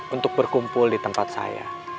untuk berkumpul di tempat saya